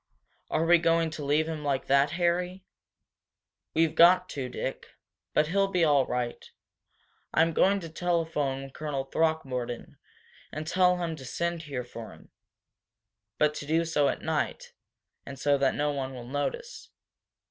"Are we going to leave him like that, Harry?" "We've got to, Dick. But he'll be all right, I am going to telephone to Colonel Throckmorton and tell him to send here for him, but to do so at night, and so that no one will notice.